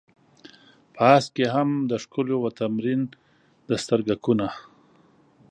په هسک کې هم د ښکليو و تمرين د سترگکونو.